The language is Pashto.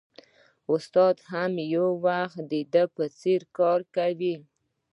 استاد هم یو وخت د ده په څېر کار کاوه